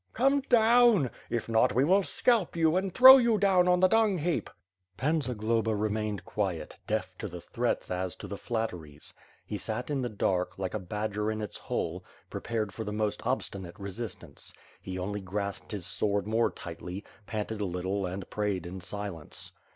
... "Come down. If not, we will scalp you, and throw you down on the dung heap." Pan Zagloba remained quiet, deaf to the threats as to thfe flatteries. He sat in the dark, like a badger in its hole, pre pared for the most obstinate resistance. He only grasped his sword more tightly, panted a little and prayed in silence.